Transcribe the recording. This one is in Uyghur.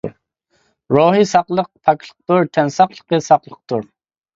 روھى ساقلىق پاكلىقتۇر، تەن ساقلىقى ساقلىقتۇر.